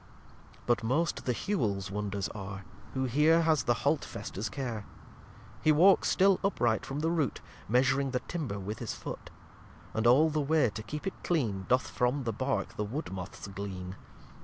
lxviii But most the Hewel's wonders are, Who here has the Holt felsters care. He walks still upright from the Root, Meas'ring the Timber with his Foot; And all the way, to keep it clean, Doth from the Bark the Wood moths glean.